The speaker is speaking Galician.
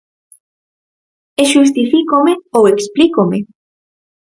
E xustifícome ou explícome.